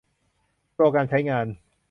โปรแกรมใช้งาน